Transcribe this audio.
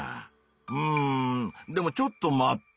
うんでもちょっと待って。